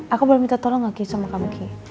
aku mau minta tolong gak sama kamu ki